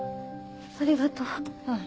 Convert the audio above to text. ありがとう。